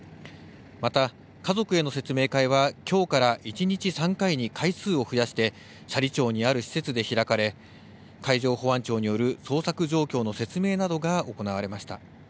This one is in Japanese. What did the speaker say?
また、家族への説明会はきょうから１日３回に回数を増やして斜里町にある施設で開かれ海上保安庁による捜索状況の説明などが行われました。